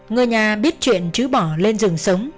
người nhà biết chuyện trứ bỏ lên rừng sống